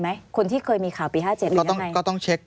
ไหมคนที่เคยมีข่าวปีห้าเจ็ดหรือนี่ยังไงก็ต้องก็ต้องเช็ค